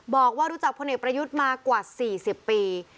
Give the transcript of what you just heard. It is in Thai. บอกว่ารู้จักพลเอกประยุทธ์มากว่า๔๐ปี